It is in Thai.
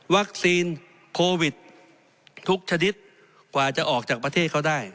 โควิดทุกชนิดกว่าจะออกจากประเทศเขาได้